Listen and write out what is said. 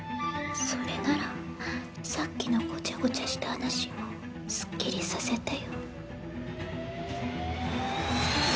それならさっきのごちゃごちゃした話もすっきりさせてよ。